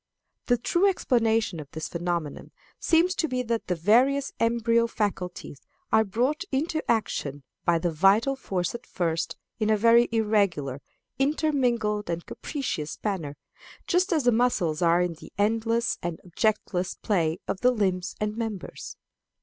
The true explanation of the phenomenon seems to be that the various embryo faculties are brought into action by the vital force at first in a very irregular, intermingled, and capricious manner, just as the muscles are in the endless and objectless play of the limbs and members.